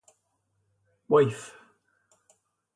Wife!